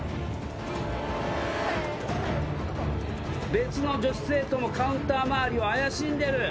別の女子生徒もカウンター周りを怪しんでる。